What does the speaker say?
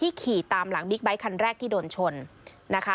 ขี่ตามหลังบิ๊กไบท์คันแรกที่โดนชนนะคะ